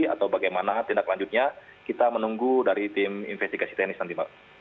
atau bagaimana tindak lanjutnya kita menunggu dari tim investigasi teknis nanti mbak